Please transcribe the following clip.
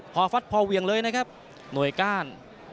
พอฟัดพอเวียงเลยนะครับหน่วยก้าน